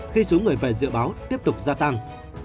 khi số người về dự báo tiếp tục gia tăng